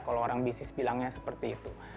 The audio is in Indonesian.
kalau orang bisnis bilangnya seperti itu